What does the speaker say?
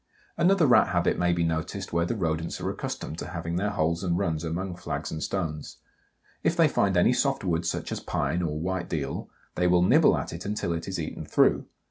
Another Rat habit may be noticed where the Rodents are accustomed to have their holes and runs among flags and stones. If they find any soft wood such as pine or white deal, they will nibble at it until it is eaten through.